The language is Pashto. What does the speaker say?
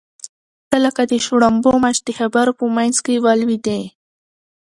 ته لکه د شړومبو مچ د خبرو په منځ کې ولوېدې.